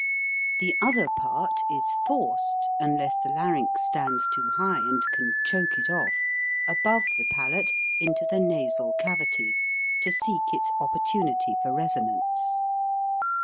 The other part is forced unless the larynx stands too high and can choke it off above, the pal ate into the nasal cavities, to seek its oppor tunity for resonance.